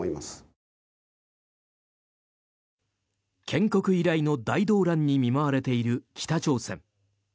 建国以来の大動乱に見舞われている北朝鮮。